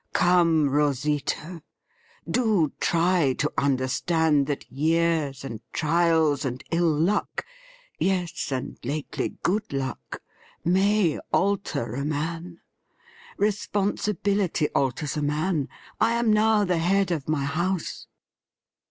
Come, Rosita, do try to understand that years and trials and ill luck — yes, and lately good luck — may alter a man ! Responsibility alters a man. I am now the head of my house.'